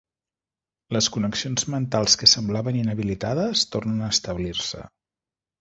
Les connexions mentals que semblaven inhabilitades tornen a establir-se.